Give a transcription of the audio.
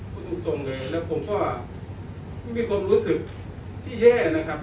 พูดตรงเลยแล้วผมก็ไม่มีรู้สึกเยอะนะครับ